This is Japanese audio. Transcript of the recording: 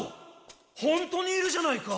ほんとにいるじゃないか！